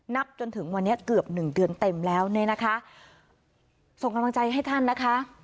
นับจนถึงวันนี้เกือบหนึ่งเดือนเต็มแล้วเนี่ยนะคะส่งกำลังใจให้ท่านนะคะ